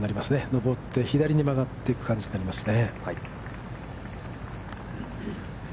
上って左に曲がっていく感じになりますね。